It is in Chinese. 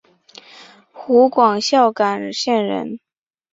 湖广孝感县人。